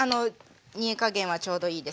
煮え加減はちょうどいいですね。